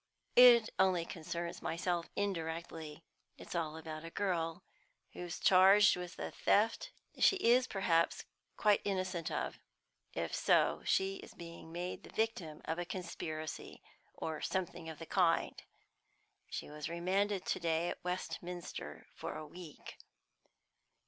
"It only concerns myself indirectly. It's all about a girl, who is charged with a theft she is perhaps quite innocent of. If so, she is being made the victim of a conspiracy, or something of the kind. She was remanded to day at Westminster for a week."